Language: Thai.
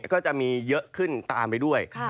ก็จะมีเยอะขึ้นตามไปด้วย